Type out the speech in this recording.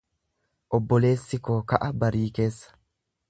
Obboleessi koo ka'a barii keessa.